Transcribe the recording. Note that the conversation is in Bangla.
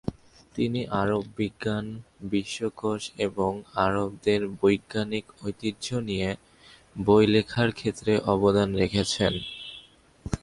তিনি আরব বিজ্ঞান বিশ্বকোষ এবং আরবদের বৈজ্ঞানিক ঐতিহ্য নিয়ে বই লেখার ক্ষেত্রে অবদান রেখেছেন।